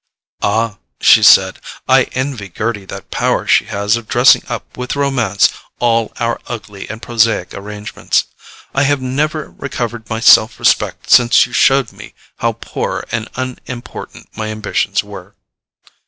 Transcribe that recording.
"Ah," she said, "I envy Gerty that power she has of dressing up with romance all our ugly and prosaic arrangements! I have never recovered my self respect since you showed me how poor and unimportant my ambitions were."